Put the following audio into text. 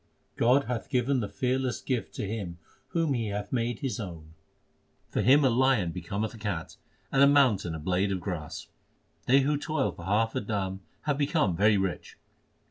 God hath given the fearless gift to him whom He hath made His own. For him a lion becometh a cat, and a mountain a blade of grass : They who toiled for half a dam have become very rich.